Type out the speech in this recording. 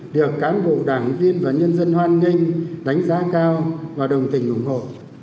được cán bộ đảng viên và nhân dân hoan nghênh đánh giá cao và đồng tình ủng hộ